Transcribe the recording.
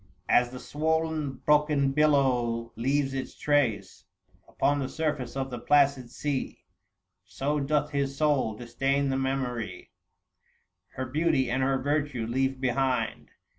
As the swoll'n, broken billow leaves its trace Upon the surface of the placid sea, So doth his soul distain the memory Her beauty and her virtue leave behind.